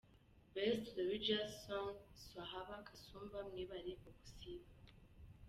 Best Religious Song Swahaba Kasumba – Mwebale Okusiiba.